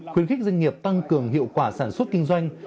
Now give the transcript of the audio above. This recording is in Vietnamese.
khuyến khích doanh nghiệp tăng cường hiệu quả sản xuất kinh doanh